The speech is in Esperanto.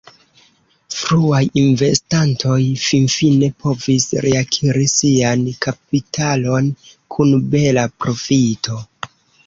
Fruaj investantoj finfine povis reakiri sian kapitalon kun bela profito.